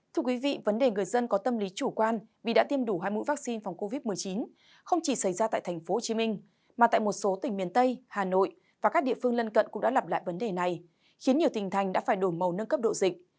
thưa quý vị vấn đề người dân có tâm lý chủ quan vì đã tiêm đủ hai mũi vaccine phòng covid một mươi chín không chỉ xảy ra tại tp hcm mà tại một số tỉnh miền tây hà nội và các địa phương lân cận cũng đã lặp lại vấn đề này khiến nhiều tỉnh thành đã phải đổi màu nâng cấp độ dịch